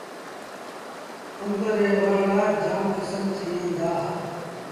آݩب ري وڻ رآ جآم ڪسم ٿئيٚݩ دآ۔